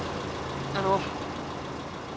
あの。